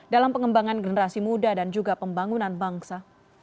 dalam pengembangan generasi muda dan juga pembangunan bangsa